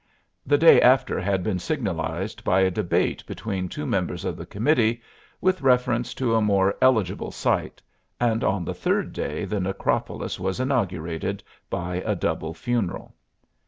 The day after had been signalized by a debate between two members of the committee, with reference to a more eligible site, and on the third day the necropolis was inaugurated by a double funeral.